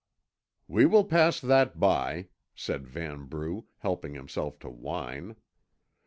"We will pass that by," said Vanbrugh, helping himself to wine.